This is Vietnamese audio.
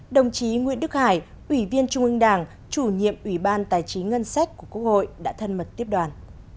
đồng chí nguyễn đức hải ủy viên trung ương đảng chủ nhiệm ủy ban tài chính ngân sách của quốc hội đã thân mật tiếp đoàn